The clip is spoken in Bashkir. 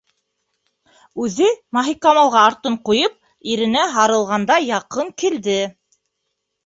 Үҙе Маһикамалға артын ҡуйып, иренә һарылғандай яҡын килде.